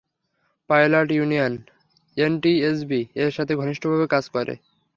Pilot union NTSB এর সাথে ঘনিষ্ঠভাবে কাজ করে।